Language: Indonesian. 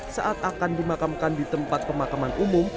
saat akan dimakamkan di tempat pemakaman umum